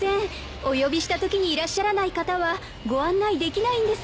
お呼びしたときにいらっしゃらない方はご案内できないんです。